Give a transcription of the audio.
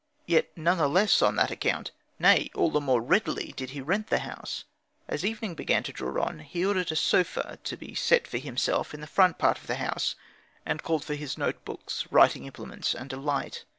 Yet none the less on that account, nay, all the more readily, did he rent the house. As evening began to draw on, he ordered a sofa to be set for himself in the front part of the house, and called for his notebooks, writing implements, and a light.